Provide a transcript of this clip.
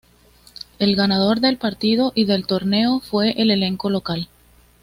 El ganador del partido y del torneo fue el elenco local.